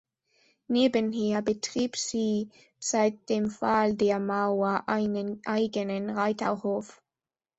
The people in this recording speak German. Nebenher betrieb sie seit dem Fall der Mauer einen eigenen Reiterhof.